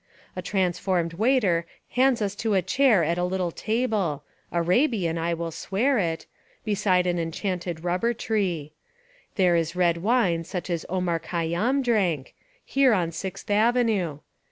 A transformed waiter hands us to a chair at a little table, — Arabian, I will swear it, — beside an enchanted rubber tree. There is red wine such as Omar Khayyam drank, here on Sixth Avenue.